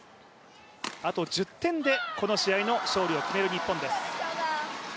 あと１０点でこの試合の勝利を決める日本です。